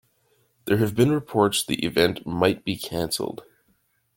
There have been reports the event might be canceled.